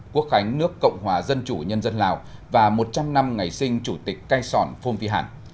quốc khánh nước cộng hòa dân chủ nhân dân lào và một trăm linh năm ngày sinh chủ tịch cai sòn phong vi hẳn